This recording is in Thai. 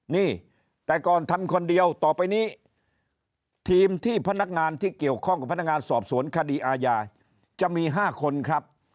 นี่แต่ก่อนทำคนเดียวต่อไปนี้ทีมที่พนักงานที่เกี่ยวข้องกับพนักงานสอบสวนคดีอาญาจะมี๕คนครับ